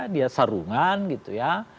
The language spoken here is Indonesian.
dia sarungan gitu ya